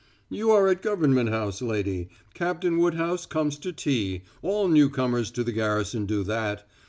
"You are at Government House, lady. Captain Woodhouse comes to tea all newcomers to the garrison do that.